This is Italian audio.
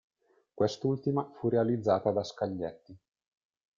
Quest'ultima fu realizzata da Scaglietti.